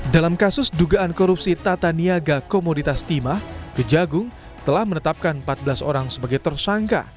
dalam kasus dugaan korupsi tata niaga komoditas timah kejagung telah menetapkan empat belas orang sebagai tersangka